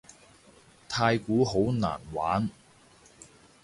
太鼓好難玩